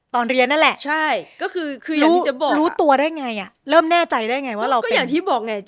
ตอนเรียนนั่นแหละรู้ตัวได้ไงเริ่มแน่ใจได้ไงว่าเราเป็นก็อย่างที่บอกไง